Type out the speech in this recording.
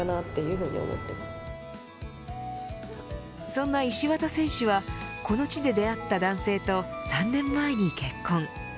そんな石渡選手はこの地で出会った男性と３年前に結婚。